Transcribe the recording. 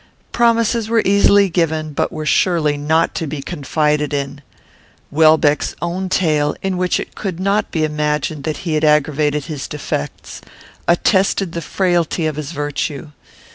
Promises were easily given, but were surely not to be confided in. Welbeck's own tale, in which it could not be imagined that he had aggravated his defects, attested the frailty of his virtue.